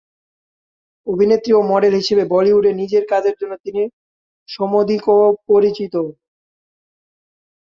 অভিনেত্রী এবং মডেল হিসেবে বলিউডে নিজের কাজের জন্য তিনি সমধিকপরিচিত।